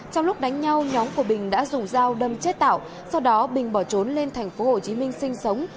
trong lúc đánh nhau nhóm của bình đã dùng dao đâm chết tạo sau đó bình bỏ trốn lên thành phố hồ chí minh sinh sống